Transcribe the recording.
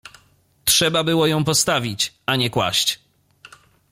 — Trzeba było ją postawić, a nie kłaść!